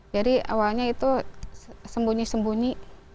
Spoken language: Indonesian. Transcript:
jadi awalnya itu sembunyi sembunyi